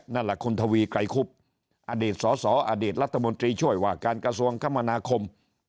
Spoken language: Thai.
นั่นแหละคุณทวีไกรคุบอดีตสสอดีตรัฐมนตรีช่วยว่าการกระทรวงคมนาคม